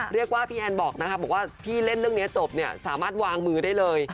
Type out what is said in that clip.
พี่แอนบอกนะคะบอกว่าพี่เล่นเรื่องนี้จบเนี่ยสามารถวางมือได้เลย